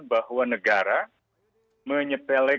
bahwa penyelamatnya tidak bisa dihubungi dengan penyelamat yang lain